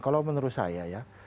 kalau menurut saya ya